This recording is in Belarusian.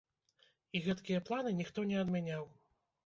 І гэткія планы ніхто не адмяняў.